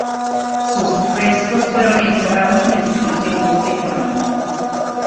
Sus restos fueron enterrados en el Cementerio de Colón.